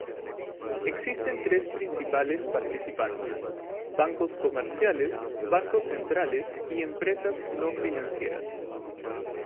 Existen tres principales participantes: Bancos comerciales, bancos centrales y empresas no financieras.